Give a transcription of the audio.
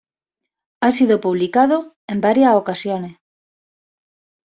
Ha sido publicado en varias ocasiones.